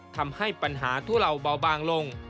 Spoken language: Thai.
ทำให้ปัญหาทุเลาเบาบางลง